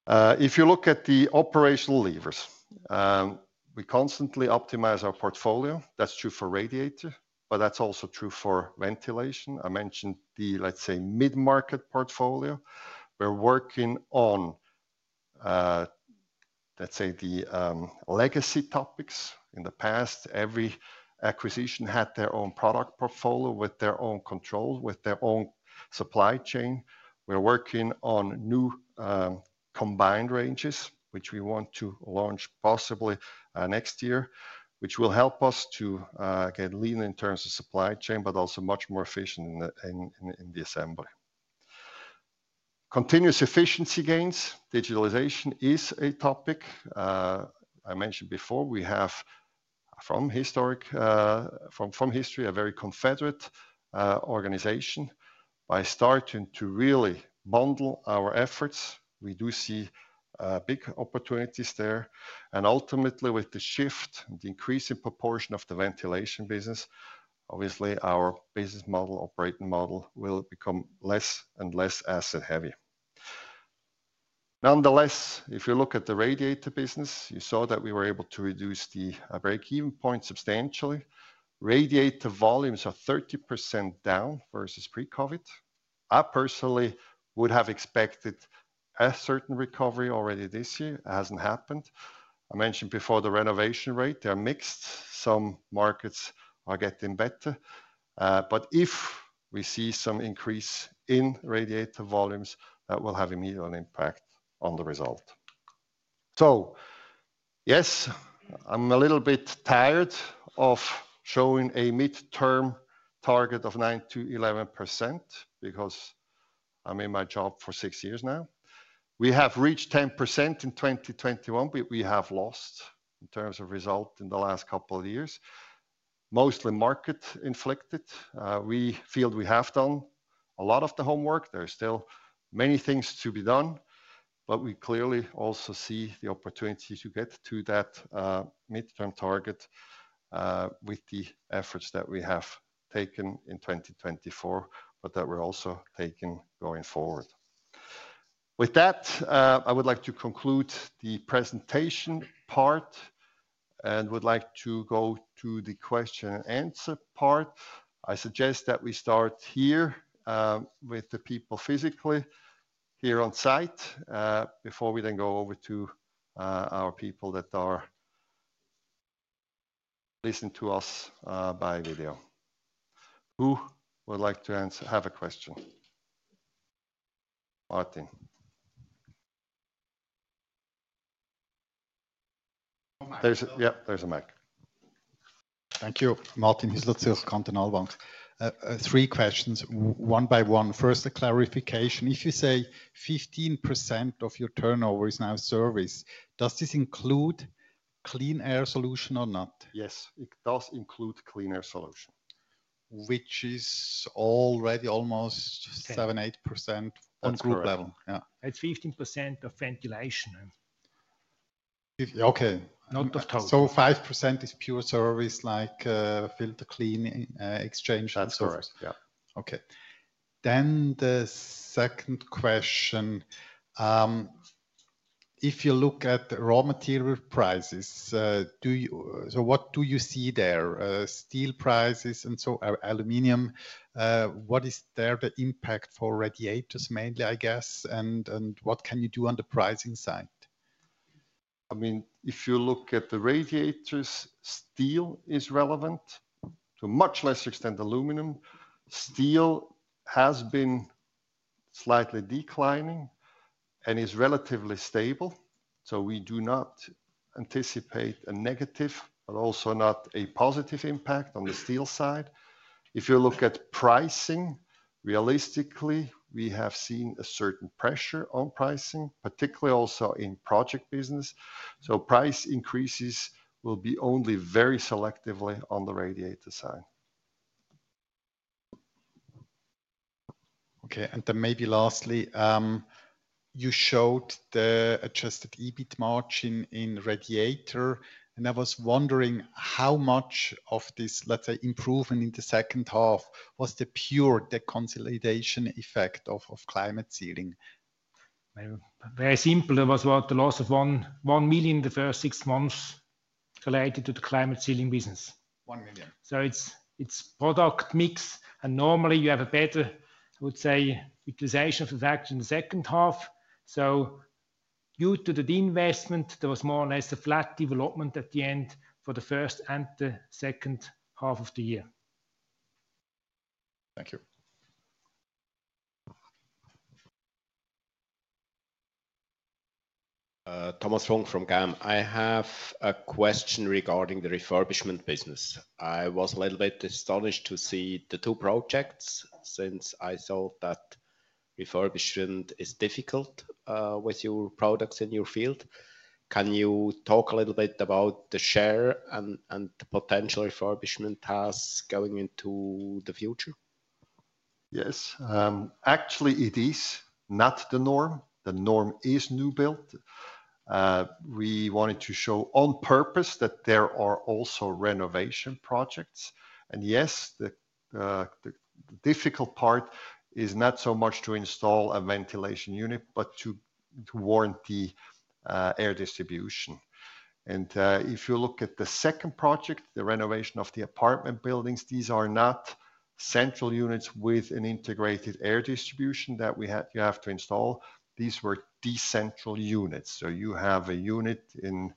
If you look at the operational levers, we constantly optimize our portfolio. That's true for radiator, but that's also true for ventilation. I mentioned the, let's say, mid-market portfolio. We're working on, let's say, the legacy topics. In the past, every acquisition had their own product portfolio with their own controls, with their own supply chain. We're working on new combined ranges, which we want to launch possibly next year, which will help us to get lean in terms of supply chain, but also much more efficient in the assembly. Continuous efficiency gains, digitalization is a topic. I mentioned before, we have from history, a very confederate organization. By starting to really bundle our efforts, we do see big opportunities there and ultimately, with the shift and the increasing proportion of the ventilation business, obviously, our business model, operating model will become less and less asset-heavy. Nonetheless, if you look at the radiator business, you saw that we were able to reduce the break-even point substantially. Radiator volumes are 30% down versus pre-COVID. I personally would have expected a certain recovery already this year. It hasn't happened. I mentioned before the renovation rate. They're mixed. Some markets are getting better. But if we see some increase in radiator volumes, that will have a medium impact on the result. So yes, I'm a little bit tired of showing a mid-term target of 9% to 11% because I'm in my job for six years now. We have reached 10% in 2021, but we have lost in terms of result in the last couple of years, mostly market-inflicted. We feel we have done a lot of the homework. There are still many things to be done, but we clearly also see the opportunity to get to that mid-term target with the efforts that we have taken in 2024, but that we're also taking going forward. With that, I would like to conclude the presentation part and would like to go to the question-and-answer part. I suggest that we start here with the people physically here on site before we then go over to our people that are listening to us by video. Who would like to have a question? Martin. There's a mic. Thank you. Martin, he's not self-confident always. Three questions, one by one. First, a clarification. If you say 15% of your turnover is now service, does this include clean air solution or not? Yes, it does include clean air solution, which is already almost 7, 8% on group level. It's 15% of ventilation. Okay. Not of total. So 5% is pure service like filter clean exchange and service. Yeah. Then the second question, if you look at raw material prices, so what do you see there? Steel prices and so aluminum, what is there the impact for radiators mainly, I guess, and what can you do on the pricing side? I mean, if you look at the radiators, steel is relevant to a much lesser extent than aluminum. Steel has been slightly declining and is relatively stable. So we do not anticipate a negative, but also not a positive impact on the steel side. If you look at pricing, realistically, we have seen a certain pressure on pricing, particularly also in project business. So price increases will be only very selectively on the radiator side. Okay. And then maybe lastly, you showed the adjusted EBIT margin in radiator, and I was wondering how much of this, let's say, improvement in the second half was the pure de-consolidation effect of climate ceiling. Very simple. It was about the loss of 1 million in the first six months related to the climate ceiling business. 1 million. So it's product mix. And normally you have a better, I would say, utilization of the factor in the second half. So due to the investment, there was more or less a flat development at the end for the first and the second half of the year. Thank you. Thomas Fong from GAM. I have a question regarding the refurbishment business. I was a little bit astonished to see the two projects since I saw that refurbishment is difficult with your products in your field. Can you talk a little bit about the share and potential refurbishment tasks going into the future? Yes. Actually, it is not the norm. The norm is new build. We wanted to show on purpose that there are also renovation projects. And yes, the difficult part is not so much to install a ventilation unit, but to warranty air distribution. And if you look at the second project, the renovation of the apartment buildings, these are not central units with an integrated air distribution that you have to install. These were decentral units. So you have a unit in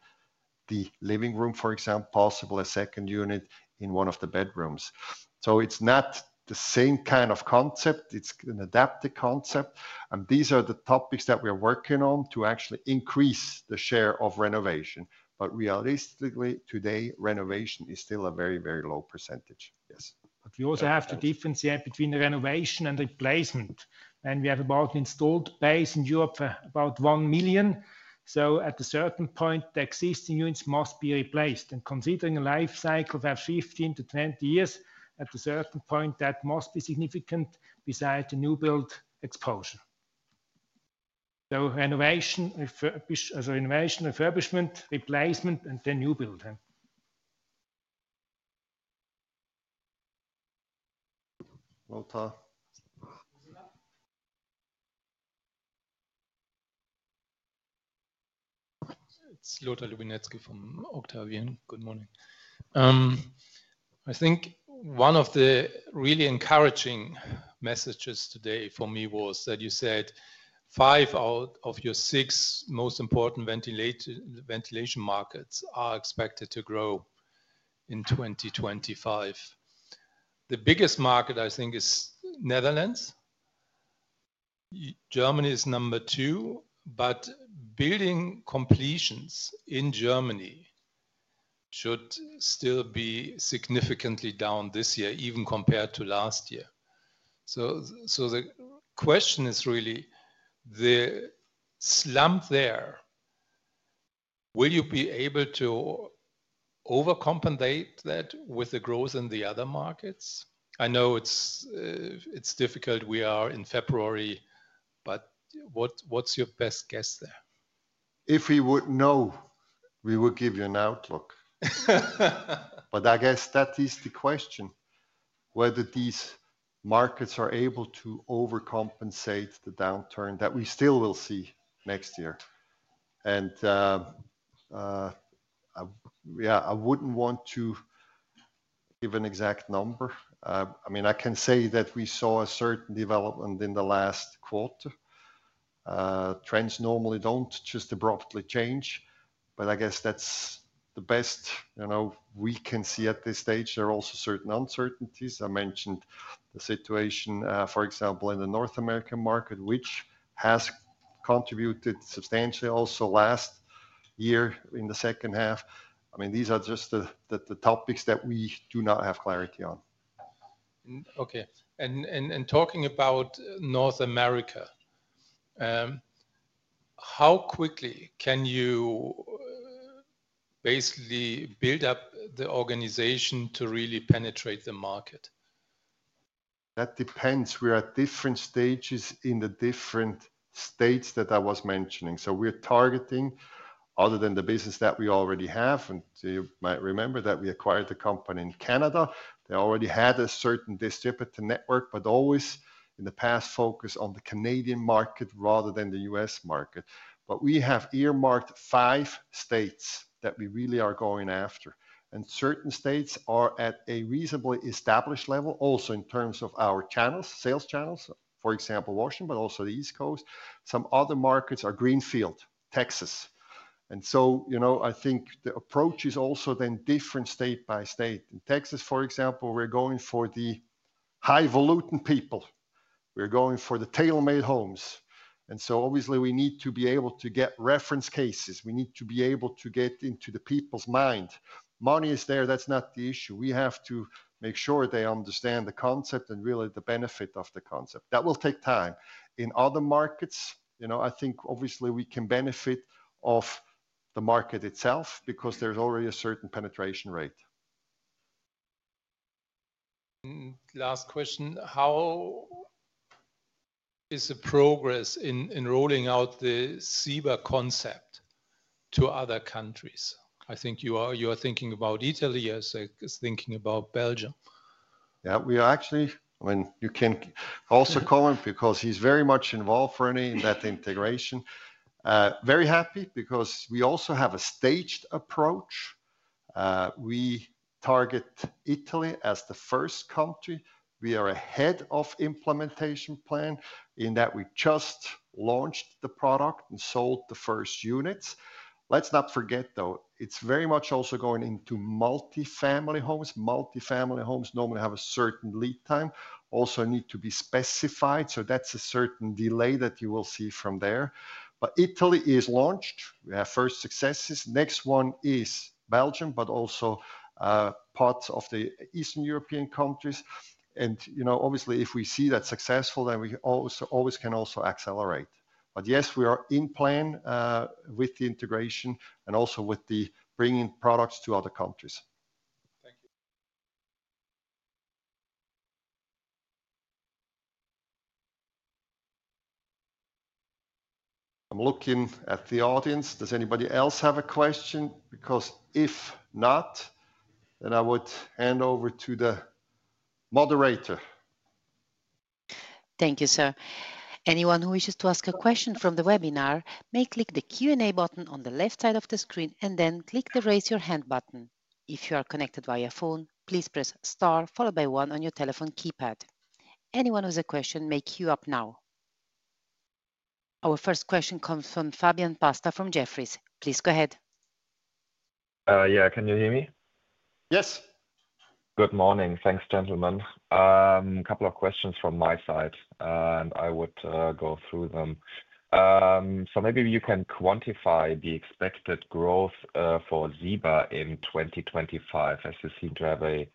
the living room, for example, possibly a second unit in one of the bedrooms. So it's not the same kind of concept. It's an adaptive concept. And these are the topics that we are working on to actually increase the share of renovation. But realistically, today, renovation is still a very, very low percentage. Yes. But we also have to differentiate between the renovation and the replacement. And we have about installed base in Europe about one million. So at a certain point, the existing units must be replaced. And considering a life cycle of 15-20 years, at a certain point, that must be significant besides the new build exposure. So renovation, refurbishment, replacement, and then new build. Volta. It's Lothar Lubinetzky from Octavian. Good morning. I think one of the really encouraging messages today for me was that you said five out of your six most important ventilation markets are expected to grow in 2025. The biggest market, I think, is Netherlands. Germany is number two, but building completions in Germany should still be significantly down this year, even compared to last year. So the question is really the slump there. Will you be able to overcompensate that with the growth in the other markets? I know it's difficult. We are in February, but what's your best guess there? If we would know, we would give you an outlook. But I guess that is the question, whether these markets are able to overcompensate the downturn that we still will see next year. And yeah, I wouldn't want to give an exact number. I mean, I can say that we saw a certain development in the last quarter. Trends normally don't just abruptly change, but I guess that's the best we can see at this stage. There are also certain uncertainties. I mentioned the situation, for example, in the North American market, which has contributed substantially also last year in the second half. I mean, these are just the topics that we do not have clarity on. Okay. And talking about North America, how quickly can you basically build up the organization to really penetrate the market? That depends. We are at different stages in the different states that I was mentioning. So, we're targeting, other than the business that we already have, and you might remember that we acquired the company in Canada. They already had a certain distributor network, but always in the past focused on the Canadian market rather than the US market. But we have earmarked five states that we really are going after. And certain states are at a reasonably established level also in terms of our channels, sales channels, for example, Washington, but also the East Coast. Some other markets are greenfield, Texas. And so I think the approach is also then different state by state. In Texas, for example, we're going for the high-volume people. We're going for the tailor-made homes. And so obviously, we need to be able to get reference cases. We need to be able to get into the people's mind. Money is there. That's not the issue. We have to make sure they understand the concept and really the benefit of the concept. That will take time. In other markets, I think obviously we can benefit of the market itself because there's already a certain penetration rate. Last question. How is the progress in rolling out the Siber concept to other countries? I think you are thinking about Italy, as well as Belgium. Yeah, we are actually, I mean, you can also call him because he's very much involved, René, in that integration. Very happy because we also have a staged approach. We target Italy as the first country. We are ahead of implementation plan in that we just launched the product and sold the first units. Let's not forget, though, it's very much also going into multifamily homes. Multifamily homes normally have a certain lead time. Also need to be specified. That's a certain delay that you will see from there. But Italy is launched. We have first successes. Next one is Belgium, but also parts of the Eastern European countries. And obviously, if we see that successful, then we always can also accelerate. But yes, we are in plan with the integration and also with the bringing products to other countries. Thank you. I'm looking at the audience. Does anybody else have a question? Because if not, then I would hand over to the moderator. Thank you, sir. Anyone who wishes to ask a question from the webinar may click the Q&A button on the left side of the screen and then click the raise your hand button. If you are connected via phone, please press star followed by one on your telephone keypad. Anyone with a question may queue up now. Our first question comes from Fabian Pasta from Jefferies. Please go ahead. Yeah, can you hear me? Yes. Good morning. Thanks, gentlemen. A couple of questions from my side, and I would go through them. So maybe you can quantify the expected growth for Siber in 2025, as you seem to have a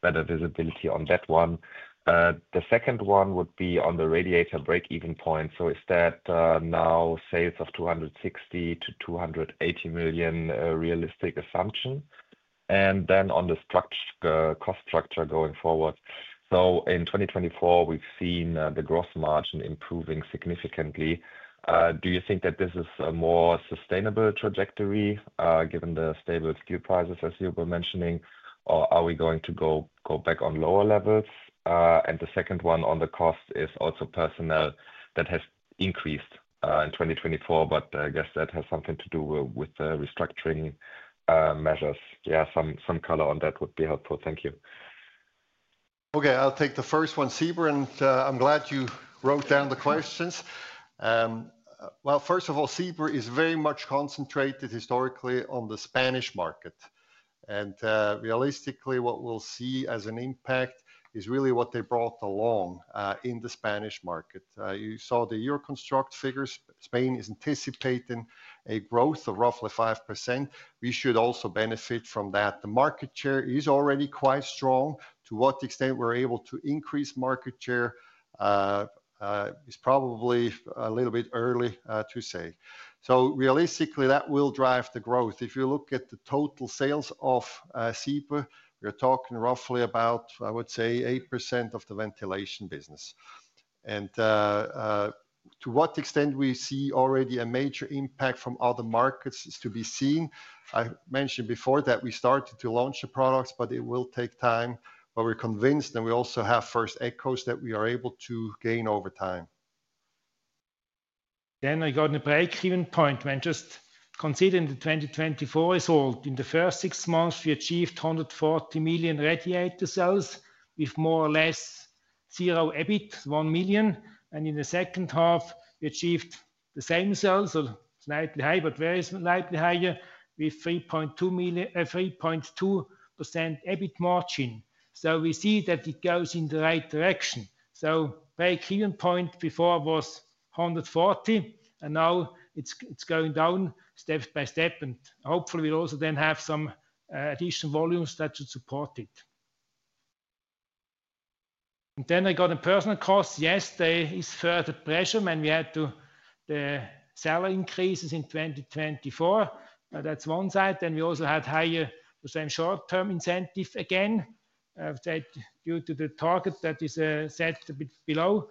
better visibility on that one. The second one would be on the radiator break-even point. So is that now sales of 260 million to 280 million a realistic assumption? And then on the cost structure going forward. So in 2024, we've seen the gross margin improving significantly. Do you think that this is a more sustainable trajectory given the stable steel prices, as you were mentioning, or are we going to go back on lower levels? The second one on the cost is also personnel that has increased in 2024, but I guess that has something to do with the restructuring measures. Yeah, some color on that would be helpful. Thank you. Okay, I'll take the first one, Siber, and I'm glad you wrote down the questions. Well, first of all, Siber is very much concentrated historically on the Spanish market. Realistically, what we'll see as an impact is really what they brought along in the Spanish market. You saw the Euroconstruct figures. Spain is anticipating a growth of roughly 5%. We should also benefit from that. The market share is already quite strong. To what extent we're able to increase market share is probably a little bit early to say. So realistically, that will drive the growth. If you look at the total sales of Siber, we are talking roughly about, I would say, 8% of the ventilation business. And to what extent we see already a major impact from other markets is to be seen. I mentioned before that we started to launch the products, but it will take time. But we're convinced and we also have first echoes that we are able to gain over time. Then I got a break-even point. When just considering the 2024 result, in the first six months, we achieved 140 million radiator sales with more or less zero EBIT, one million. And in the second half, we achieved the same sales, so slightly high, but very slightly higher with 3.2% EBIT margin. So we see that it goes in the right direction. Break-even point before was 140, and now it's going down step by step, and hopefully we'll also then have some additional volumes that should support it. Then [we get to] personnel costs. Yes, there is further pressure with the salary increases in 2024. That's one side. Then we also had higher short-term incentive again, due to the target that is set a bit below.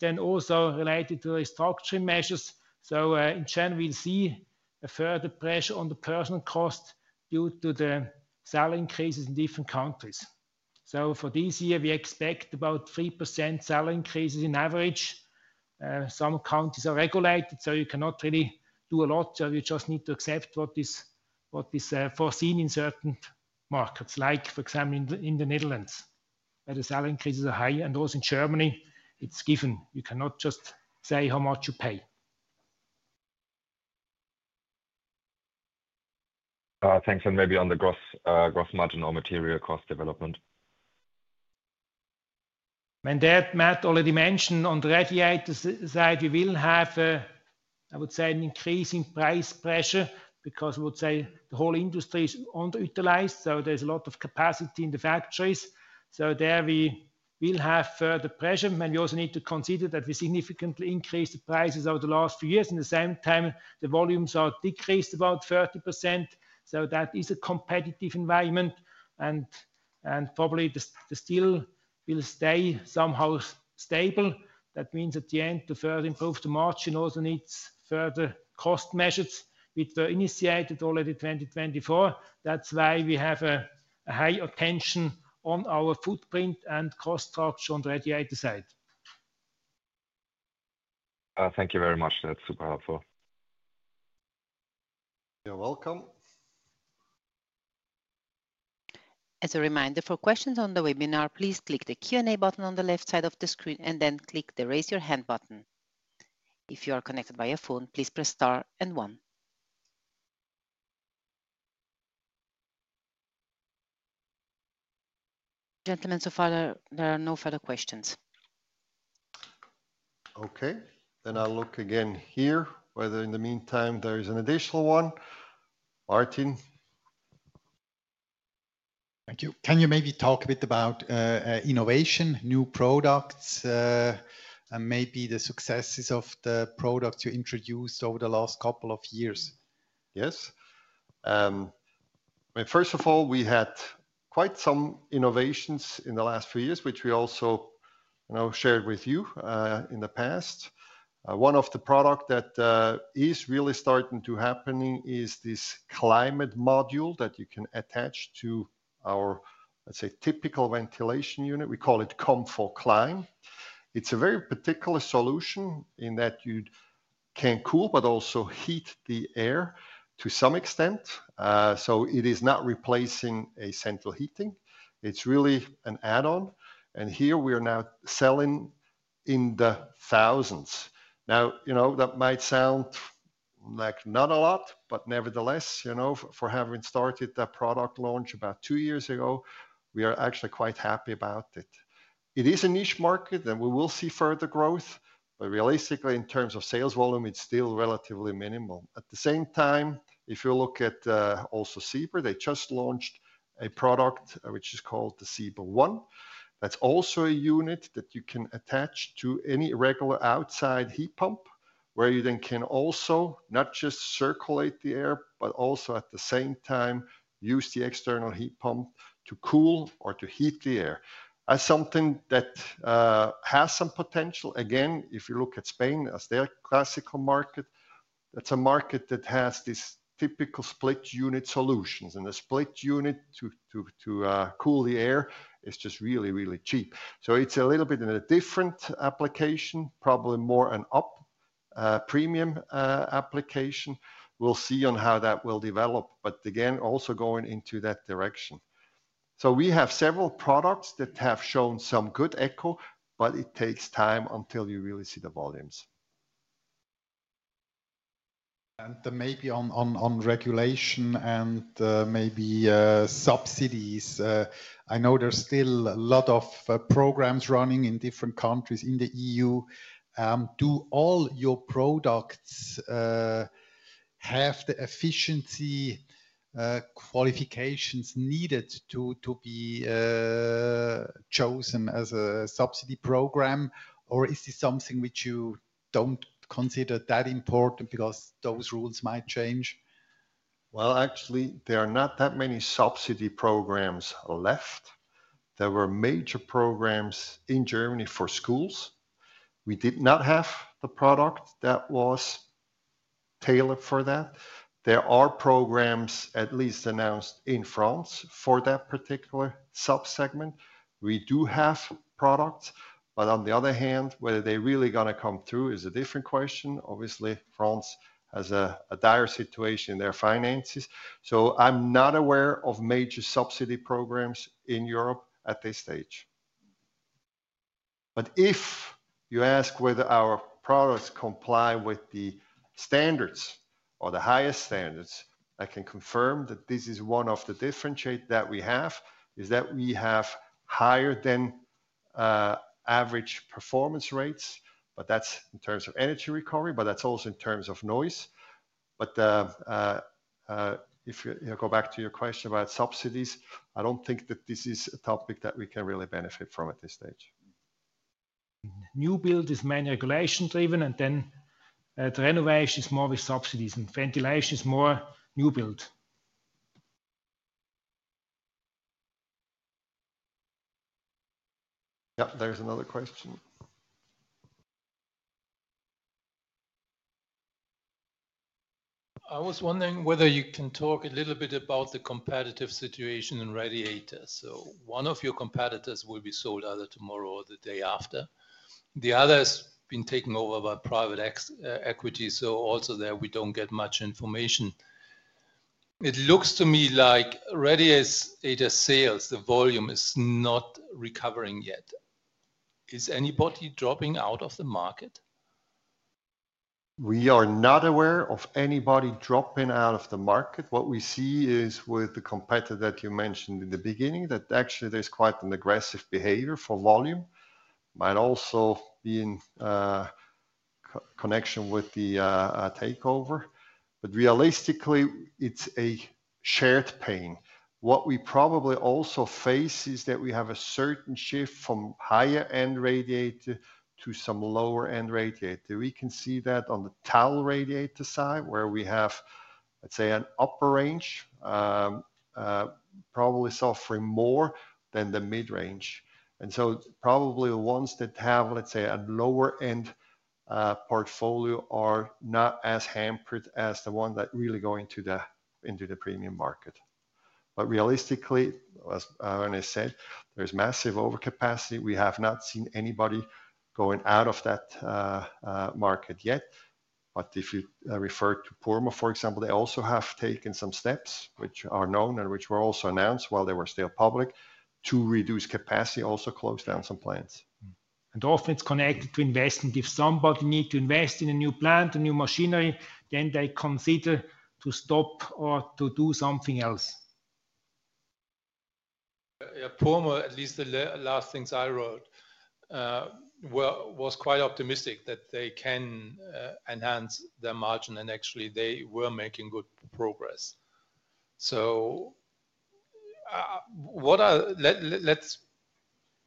Then also related to the restructuring measures. In general, we'll see further pressure on the personnel costs due to the salary increases in different countries. For this year, we expect about 3% salary increases on average. Some countries are regulated, so you cannot really do a lot. You just need to accept what is foreseen in certain markets, like for example, in the Netherlands, where the salary increases are high. Also in Germany, it's given. You cannot just say how much you pay. Thanks, and maybe on the gross margin or material cost development. When that Matt already mentioned on the radiator side, we will have, I would say, an increasing price pressure because we would say the whole industry is underutilized. So there's a lot of capacity in the factories. So there we will have further pressure, and we also need to consider that we significantly increased the prices over the last few years. In the same time, the volumes are decreased about 30%. So that is a competitive environment, and probably the steel will stay somehow stable. That means at the end, to further improve the margin, also needs further cost measures which were initiated already in 2024. That's why we have a higher attention on our footprint and cost structure on the radiator side. Thank you very much. That's super helpful. You're welcome. As a reminder, for questions on the webinar, please click the Q&A button on the left side of the screen and then click the raise your hand button. If you are connected by a phone, please press star and one. Gentlemen, so far, there are no further questions. Okay. Then I'll look again here, whether in the meantime there is an additional one. Martin. Thank you. Can you maybe talk a bit about innovation, new products, and maybe the successes of the products you introduced over the last couple of years? Yes. First of all, we had quite some innovations in the last few years, which we also shared with you in the past. One of the products that is really starting to happen is this climate module that you can attach to our, let's say, typical ventilation unit. We call it ComfoClime. It's a very particular solution in that you can cool, but also heat the air to some extent. So it is not replacing a central heating. It's really an add-on. And here we are now selling in the thousands. Now, that might sound like not a lot, but nevertheless, for having started that product launch about two years ago, we are actually quite happy about it. It is a niche market, and we will see further growth. But realistically, in terms of sales volume, it's still relatively minimal. At the same time, if you look at also Siber, they just launched a product which is called the Siber One. That's also a unit that you can attach to any regular outside heat pump, where you then can also not just circulate the air, but also at the same time use the external heat pump to cool or to heat the air. That's something that has some potential. Again, if you look at Spain as their classical market, that's a market that has these typical split unit solutions. And the split unit to cool the air is just really, really cheap. So it's a little bit in a different application, probably more an up premium application. We'll see on how that will develop, but again, also going into that direction. So we have several products that have shown some good echo, but it takes time until you really see the volumes. And maybe on regulation and maybe subsidies. I know there's still a lot of programs running in different countries in the EU. Do all your products have the efficiency qualifications needed to be chosen as a subsidy program, or is this something which you don't consider that important because those rules might change? Actually, there are not that many subsidy programs left. There were major programs in Germany for schools. We did not have the product that was tailored for that. There are programs at least announced in France for that particular subsegment. We do have products, but on the other hand, whether they're really going to come through is a different question. Obviously, France has a dire situation in their finances. I'm not aware of major subsidy programs in Europe at this stage. But if you ask whether our products comply with the standards or the highest standards, I can confirm that this is one of the differentiators that we have, is that we have higher than average performance rates, but that's in terms of energy recovery, but that's also in terms of noise. But if you go back to your question about subsidies, I don't think that this is a topic that we can really benefit from at this stage. New build is mainly regulation-driven, and then the renovation is more with subsidies and ventilation is more new build. Yeah, there's another question. I was wondering whether you can talk a little bit about the competitive situation in radiators. So one of your competitors will be sold either tomorrow or the day after. The other has been taken over by private equity, so also there we don't get much information. It looks to me like radiator sales, the volume is not recovering yet. Is anybody dropping out of the market? We are not aware of anybody dropping out of the market. What we see is with the competitor that you mentioned in the beginning, that actually there's quite an aggressive behavior for volume. Might also be in connection with the takeover. But realistically, it's a shared pain. What we probably also face is that we have a certain shift from higher-end radiator to some lower-end radiator. We can see that on the towel radiator side, where we have, let's say, an upper range, probably suffering more than the mid-range. And so probably the ones that have, let's say, a lower-end portfolio are not as hampered as the ones that really go into the premium market. But realistically, as I said, there's massive overcapacity. We have not seen anybody going out of that market yet. But if you refer to Purmo, for example, they also have taken some steps, which are known and which were also announced while they were still public, to reduce capacity, also close down some plants. And often it's connected to investment. If somebody needs to invest in a new plant or new machinery, then they consider to stop or to do something else. Purmo, at least the last things I wrote, was quite optimistic that they can enhance their margin, and actually they were making good progress. So let's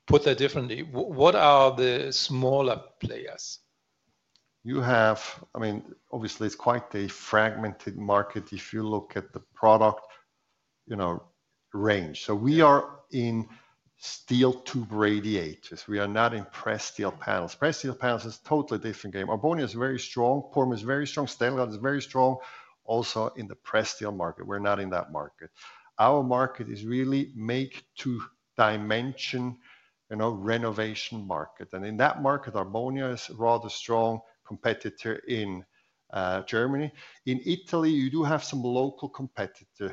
put that differently. What are the smaller players? You have, I mean, obviously it's quite a fragmented market if you look at the product range. So we are in steel tube radiators. We are not in press steel panels. Press steel panels is a totally different game. Arbonia is very strong. Purmo is very strong. Stelrad is very strong. Also in the press steel market, we're not in that market. Our market is really make-to-dimension renovation market. And in that market, Arbonia is a rather strong competitor in Germany. In Italy, you do have some local competitors.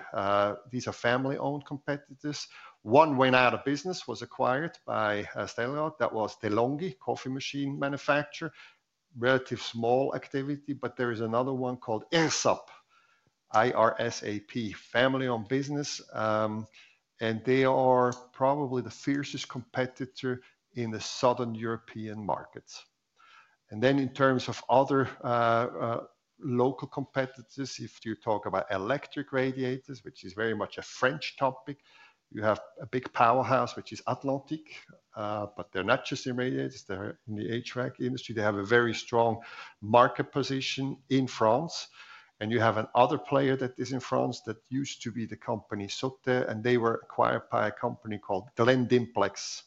These are family-owned competitors. One went out of business, was acquired by Stelrad. That was De'Longhi, coffee machine manufacturer. Relatively small activity, but there is another one called IRSAP, I-R-S-A-P, family-owned business. And they are probably the fiercest competitor in the Southern European markets. And then in terms of other local competitors, if you talk about electric radiators, which is very much a French topic, you have a big powerhouse, which is Atlantic. But they're not just in radiators. They're in the HVAC industry. They have a very strong market position in France. You have another player that is in France that used to be the company Soter, and they were acquired by a company called Glen Dimplex.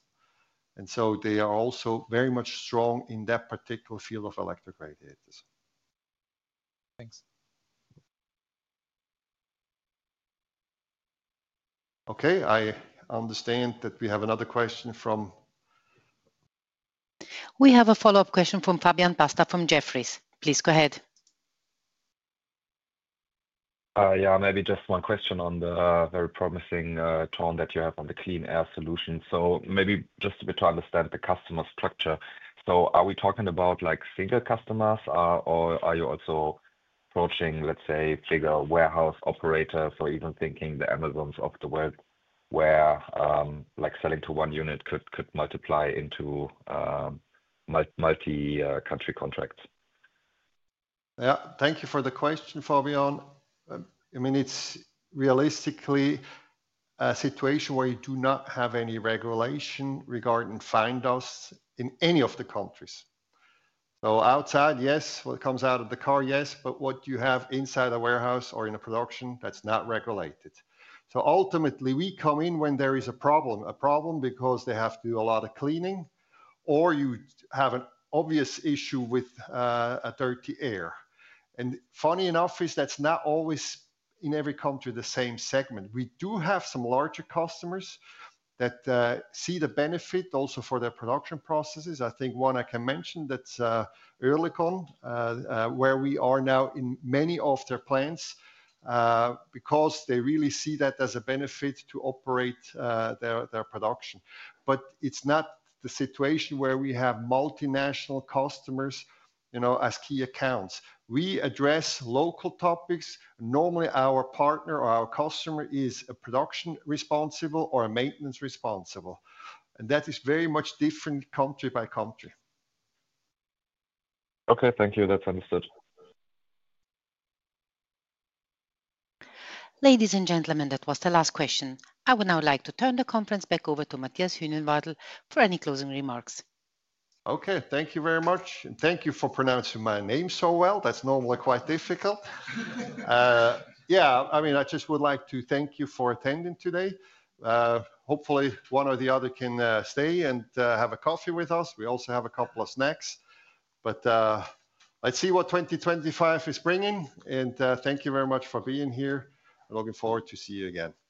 And so they are also very much strong in that particular field of electric radiators. Thanks. Okay, I understand that we have another question from. We have a follow-up question from Fabian Pasta from Jefferies. Please go ahead. Yeah, maybe just one question on the very promising tone that you have on the clean air solution. So maybe just to understand the customer structure. So are we talking about single customers, or are you also approaching, let's say, bigger warehouse operators or even thinking the Amazons of the world where selling to one unit could multiply into multi-country contracts? Yeah, thank you for the question, Fabian. I mean, it's realistically a situation where you do not have any regulation regarding fine dust in any of the countries. So outside, yes, what comes out of the car, yes, but what you have inside a warehouse or in a production, that's not regulated. So ultimately, we come in when there is a problem, a problem because they have to do a lot of cleaning, or you have an obvious issue with dirty air. And funny enough, that's not always in every country the same segment. We do have some larger customers that see the benefit also for their production processes. I think one I can mention that's Oerlikon, where we are now in many of their plants because they really see that as a benefit to operate their production. But it's not the situation where we have multinational customers as key accounts. We address local topics. Normally, our partner or our customer is a production responsible or a maintenance responsible. And that is very much different country by country. Okay, thank you. That's understood. Ladies and gentlemen, that was the last question. I would now like to turn the conference back over to Matthias Huenerwadel for any closing remarks. Okay, thank you very much. And thank you for pronouncing my name so well. That's normally quite difficult. Yeah, I mean, I just would like to thank you for attending today. Hopefully, one or the other can stay and have a coffee with us. We also have a couple of snacks. But let's see what 2025 is bringing. And thank you very much for being here. Looking forward to seeing you again. Thanks.